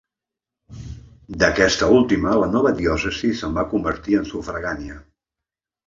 D'aquesta última la nova diòcesi se'n va convertir en sufragània.